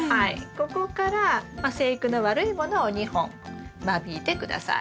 ここからまあ生育の悪いものを２本間引いて下さい。